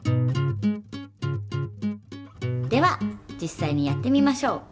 では実さいにやってみましょう。